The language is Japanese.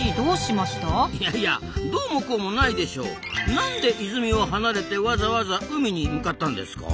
なんで泉を離れてわざわざ海に向かったんですか？